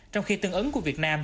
trong khi tương ứng của việt nam